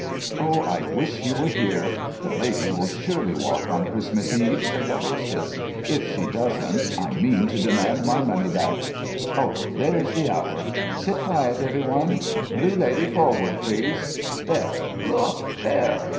"Oh, I wish he were here—the Lady will surely walk on Christmas Eve," said the hostess. "If she doesn't, I mean to demand my money back! Oh, there's the hour! Sit quiet, every one.... Blue Lady forward, please! There, look!—there!"